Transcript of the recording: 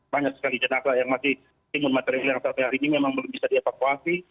banyak sekali jenazah yang masih timun material yang sampai hari ini memang belum bisa dievakuasi